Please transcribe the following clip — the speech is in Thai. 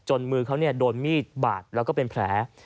จนมือเขาเนี่ยโดนมิดบาดแล้วก็เป็นแผล